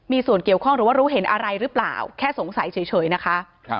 มีส่วนเกี่ยวข้องหรือว่ารู้เห็นอะไรหรือเปล่าแค่สงสัยเฉยนะคะ